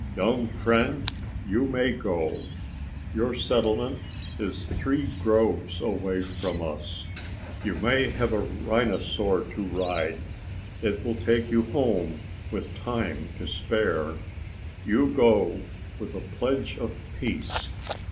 "Young friend, you may go. Your settlement is three groves away from us. You may have a rhinosaur to ride. It will take you home with time to spare. You go with a pledge of peace.